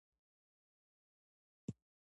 پسه د افغانستان د ځانګړي ډول جغرافیه استازیتوب کوي.